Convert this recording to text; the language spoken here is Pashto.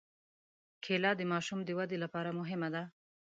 کېله د ماشوم د ودې لپاره مهمه ده.